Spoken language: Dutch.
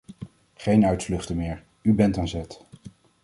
Geen uitvluchten meer, u bent aan zet.